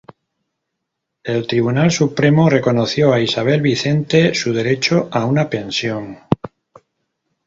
El Tribunal Supremo reconoció a Isabel Vicente su derecho a una pensión.